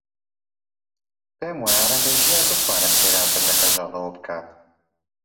پێم وایە ڕەنگە ژیار بتوانێت خێراتر لە کەژاڵ ئەوە بکات.